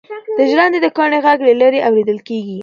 د ژرندې د کاڼي غږ له لیرې اورېدل کېږي.